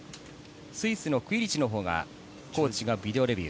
スイスのクイリチのコーチがビデオレビュー。